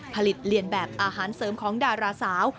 ผลิตเรียนแบบอาหารเสริมของดาราสาว